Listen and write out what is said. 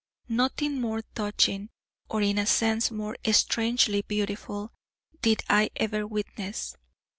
Nothing more touching, or in a sense more strangely beautiful, did I ever witness.